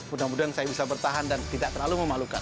mudah mudahan saya bisa bertahan dan tidak terlalu memalukan